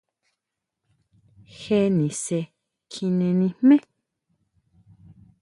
¿Jé nisen kjine nijme?